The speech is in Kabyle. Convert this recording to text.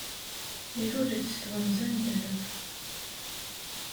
Ilul-d s twenza n ddheb.